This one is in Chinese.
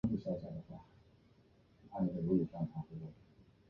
而泰郡王弘春一支则住在西直门内扒儿胡同。